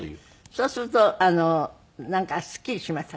そうするとなんかすっきりしましたか？